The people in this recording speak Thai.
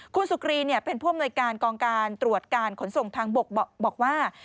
คุณสุกรีเป็นผู้อำนวยการกองการตรวจการขนส่งทางบกบอกว่า